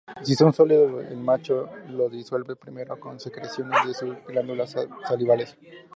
Si son sólidos, el macho los disuelve primero con secreciones de sus glándulas salivales.